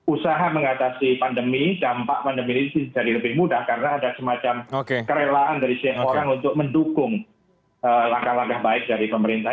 usaha mengatasi pandemi dampak pandemi ini jadi lebih mudah karena ada semacam kerelaan dari setiap orang untuk mendukung langkah langkah baik dari pemerintah